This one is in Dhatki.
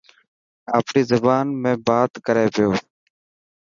آپري زبان ۾ بات ڪري پيو.